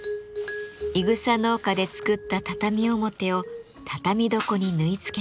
いぐさ農家で作った畳表を畳床に縫い付けます。